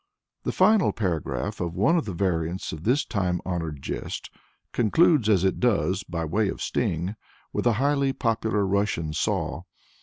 The final paragraph of one of the variants of this time honored jest is quaint, concluding as it does, by way of sting, with a highly popular Russian saw.